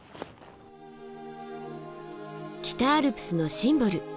北アルプスのシンボル